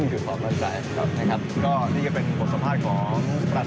นี่ก็เป็นออกสภาพของประธานสมสตรคุณหน่อยคิดชอบไหมครับ